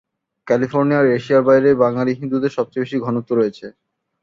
ক্যালিফোর্নিয়ার এশিয়ার বাইরে বাঙালি হিন্দুদের সবচেয়ে বেশি ঘনত্ব রয়েছে।